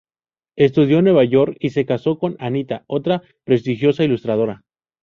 Estudió en Nueva York y se casó con Anita, otra prestigiosa ilustradora.